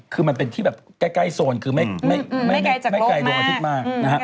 คือมันเป็นที่แบบใกล้โซนคือไม่ไกลดวงอาทิตย์มากนะฮะ